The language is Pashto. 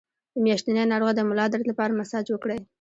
د میاشتنۍ ناروغۍ د ملا درد لپاره مساج وکړئ